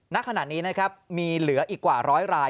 ณขณะนี้นะครับมีเหลืออีกกว่าร้อยราย